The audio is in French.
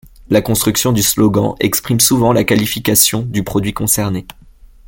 La construction du slogan exprime souvent la qualification du produit concerné.